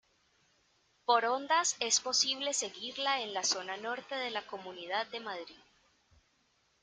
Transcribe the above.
Por ondas es posible seguirla en la zona norte de la Comunidad de Madrid.